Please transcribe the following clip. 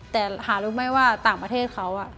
แต่หารู้ไหมว่าต่างประเทศเขา